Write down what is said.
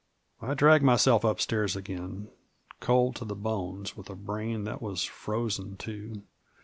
I dragged myself up stairs again, cold to the bones, with a brain that was frozen too.